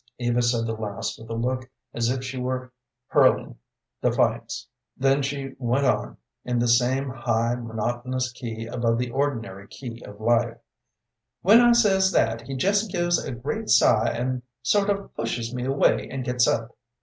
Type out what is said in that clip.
Eva said the last with a look as if she were hurling defiance, then she went on in the same high, monotonous key above the ordinary key of life. "When I says that, he jest gives a great sigh and sort of pushes me away and gets up.